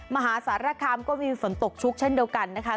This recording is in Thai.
มหาสารคามก็มีฝนตกชุกเช่นเดียวกันนะคะ